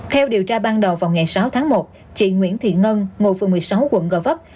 theo điều tra ban đầu vào ngày sáu tháng một chị nguyễn thị ngân ngồi phường một mươi sáu quận gò vấp